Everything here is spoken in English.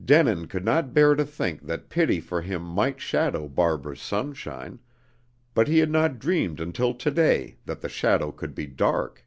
Denin could not bear to think that pity for him might shadow Barbara's sunshine, but he had not dreamed until to day that the shadow could be dark.